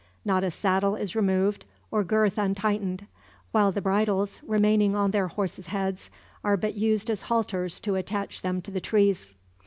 Not a saddle is removed, or girth untightened; while the bridles, remaining on their horses' heads, are but used as halters to attach them to the trees.